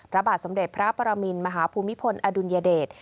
พระบาทสมเด็จพระปรมินมหาภูมิพลอดุลยเดช